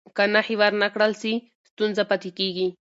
که نښې ور نه کړل سي، ستونزه پاتې کېږي.